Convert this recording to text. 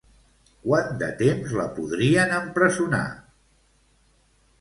Quant de temps la podrien empresonar?